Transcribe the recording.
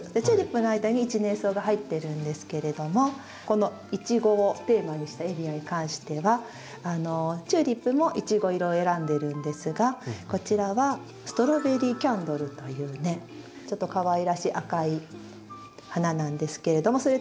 チューリップの間に一年草が入ってるんですけれどもこのイチゴをテーマにしたエリアに関してはチューリップもイチゴ色を選んでるんですがこちらはストロベリーキャンドルというねちょっとかわいらしい赤い花なんですけれども。